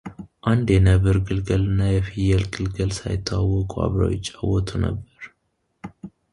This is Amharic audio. አንድ የነብር ግልገልና የፍየል ግልገል ሳይተዋወቁ አብረው ይጫወቱ ነበር፡፡